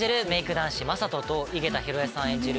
男子雅人と井桁弘恵さん演じる